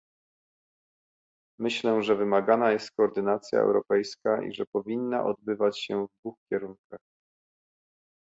Myślę, że wymagana jest koordynacja europejska i że powinna odbywać się w dwóch kierunkach